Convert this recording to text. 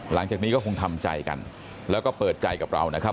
หลังจากนี้ก็คงทำใจกันแล้วก็เปิดใจกับเรานะครับ